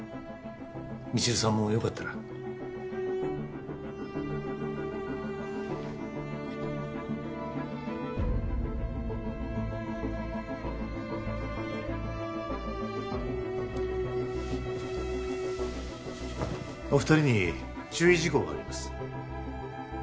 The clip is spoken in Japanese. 未知留さんもよかったらお二人に注意事項があります